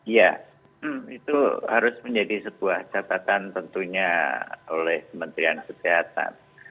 ya itu harus menjadi sebuah catatan tentunya oleh kementerian kesehatan